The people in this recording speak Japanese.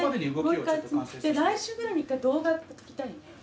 来週ぐらいに１回動画撮りたいね。